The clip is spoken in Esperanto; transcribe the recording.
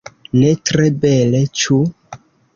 Ne tre bele, ĉu?